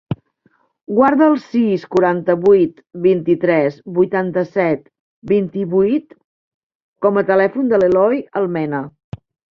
Guarda el sis, quaranta-vuit, vint-i-tres, vuitanta-set, vint-i-vuit com a telèfon de l'Eloy Almena.